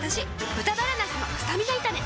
「豚バラなすのスタミナ炒め」